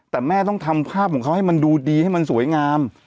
แต่แม่ต้องทำภาพของเขาให้มันดูดีให้มันสวยงาม